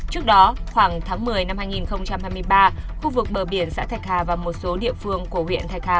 trước đó khoảng tháng một mươi năm hai nghìn hai mươi ba khu vực bờ biển xã thạch hà và một số địa phương của huyện thạch hà